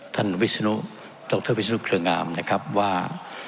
วิศนุดรวิศนุเครืองามนะครับว่า